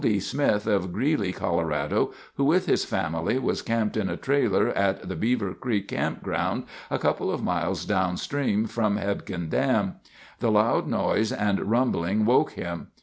D. Smith, of Greeley, Colorado, who with his family was camped in a trailer at the Beaver Creek Campground a couple of miles downstream from Hebgen Dam. The loud noise and rumbling woke him.